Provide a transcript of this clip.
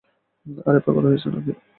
আরে পাগল হয়েছ নাকি?